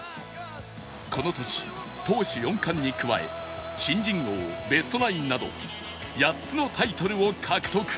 この年投手４冠に加え新人王ベストナインなど８つのタイトルを獲得